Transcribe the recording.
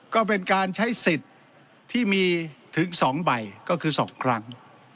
ก็เป็นการใช้สิทธิ์ที่มีถึง๒ใบก็คือ๒ครั้ง